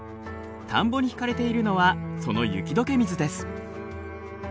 田んぼに引かれているのはその雪どけ水です。